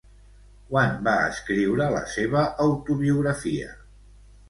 Quan va escriure la seva autobiografia?